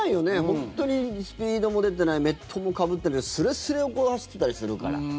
本当にスピードも出てメットもかぶっててすれすれを走ってたりするから。